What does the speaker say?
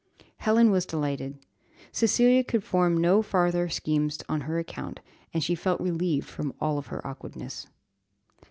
Helen was delighted. Cecilia could form no farther schemes on her account, and she felt relieved from all her awkwardness.